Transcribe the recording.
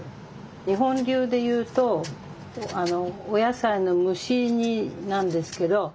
日本流で言うとお野菜の蒸し煮なんですけど。